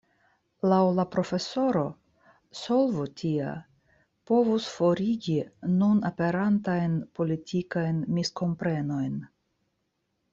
Laŭ la profesoro, solvo tia povus forigi nun aperantajn politikajn miskomprenojn.